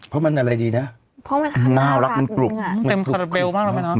เพราะมันอะไรดีนะเพราะมันน่ารักมันกรุบอ่ะเต็มคาราเบลมากแล้วแม่น้อง